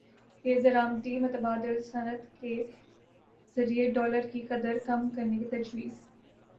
کی درامدی متبادل صنعت کے ذریعے ڈالر کی قدر کم کرنے کی تجویز